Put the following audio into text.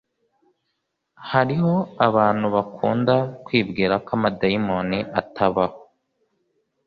Hariho abantu bakunda kwibwirako amadayimoni atabaho